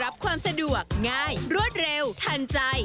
ฝากง่ายรวดเร็วทันใจ